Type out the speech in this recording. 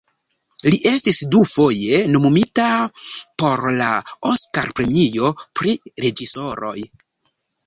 Li estis dufoje nomumita por la Oskar-premio pri reĝisoroj.